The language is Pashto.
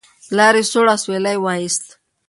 پلار یې سوړ اسویلی وایست.